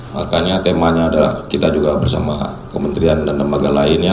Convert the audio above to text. makanya temanya adalah kita juga bersama kementerian dan lembaga lainnya